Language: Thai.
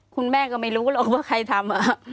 คุณแม่ก็ไม่รู้หรอกว่าใครทำ